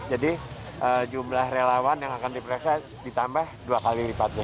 jadi jumlah relawan yang akan diperlaksa ditambah dua kali lipatnya